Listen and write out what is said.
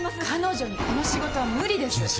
「彼女にこの仕事は無理です」